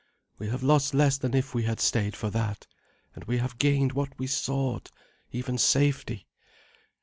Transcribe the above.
We have lost less than if we had stayed for that, and we have gained what we sought, even safety.